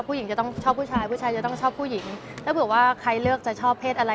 ผู้หญิงจะต้องชอบผู้ชายผู้ชายจะต้องชอบผู้หญิงถ้าเผื่อว่าใครเลือกจะชอบเพศอะไร